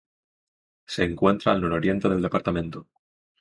Se encuentra al nororiente del departamento.